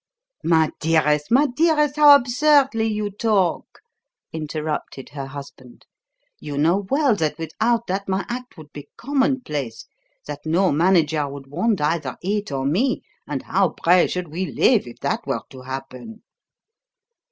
'" "My dearest, my dearest, how absurdly you talk!" interrupted her husband. "You know well that without that my act would be commonplace, that no manager would want either it or me. And how, pray, should we live if that were to happen?"